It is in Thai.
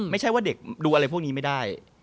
ไม่ใช่ว่าเด็กดูอะไรพวกนี้ไม่ได้